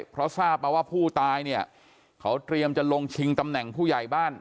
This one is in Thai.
เพราะทราบมาว่าผู้ตายเนี่ยเขาเตรียมจะลงชิงตำแหน่งผู้ใหญ่บ้าน